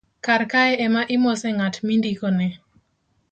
karkae ema imose ng'at mindikone